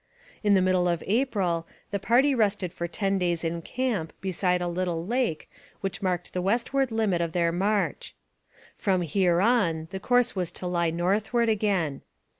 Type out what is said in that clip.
In the middle of April, the party rested for ten days in camp beside a little lake which marked the westward limit of their march. From here on, the course was to lie northward again.